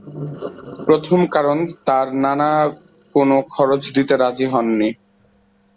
প্রথম কারণ, তার নানা কোনো খরচ দিতে রাজি হননি।